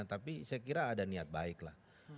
tapi saya kira ada niat baiklah